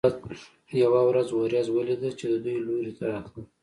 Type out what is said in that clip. یوه ورځ ورېځ ولیده چې د دوی لوري ته راتله.